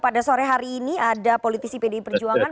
pada sore hari ini ada politisi pdi perjuangan